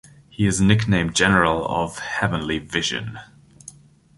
He is nicknamed "General of Heavenly Vision".